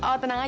oh tenang aja